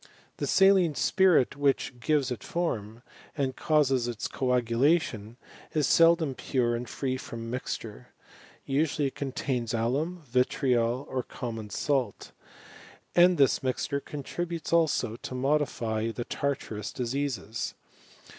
The saline spirit which gives it its fonj and causes its coagulation, is seldom pure and fr^ &om mixture ; usually it contains alum, vitriol, common salt; and this mixture contributes also modify the tartarous diseases.